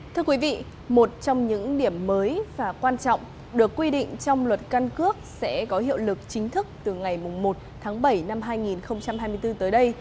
thưa quý vị một trong những điểm mới và quan trọng được quy định trong luật căn cước sẽ có hiệu lực chính thức từ ngày một tháng bảy năm hai nghìn hai mươi bốn tới đây